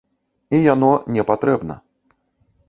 І яно не патрэбна.